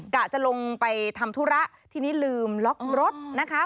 กะจะลงไปทำธุระทีนี้ลืมล็อกรถนะคะ